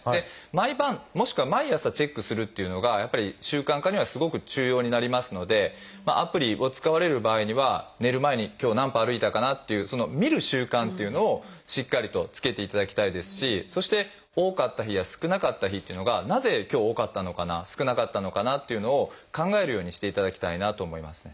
毎晩もしくは毎朝チェックするっていうのがやっぱり習慣化にはすごく重要になりますのでアプリを使われる場合には寝る前に今日何歩歩いたかなっていうその見る習慣っていうのをしっかりとつけていただきたいですしそして多かった日や少なかった日っていうのがなぜ今日多かったのかな少なかったのかなっていうのを考えるようにしていただきたいなと思います。